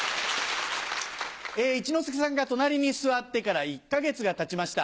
一之輔さんが隣に座ってから１か月がたちました。